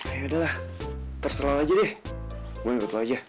ya yaudah lah terserah lo aja deh gue ikut lo aja ya